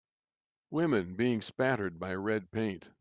Women being spattered by red paint